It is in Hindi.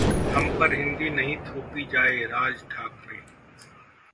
हम पर हिंदी नहीं थोपी जाए: राज ठाकरे